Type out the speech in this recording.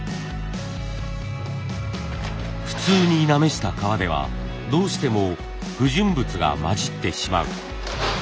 普通になめした革ではどうしても不純物が混じってしまう。